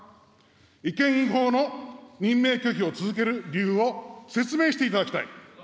違憲・違法の任命拒否を続ける理由を説明していただきたい。